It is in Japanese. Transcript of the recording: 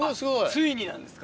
ついになんですか？